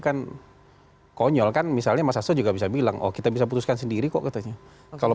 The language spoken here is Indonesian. kan konyol kan misalnya mas asto juga bisa bilang oh kita bisa putuskan sendiri kok katanya kalau